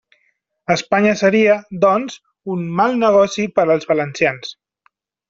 Espanya seria, doncs, un «mal negoci» per als valencians.